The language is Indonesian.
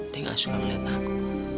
dia gak suka ngeliat aku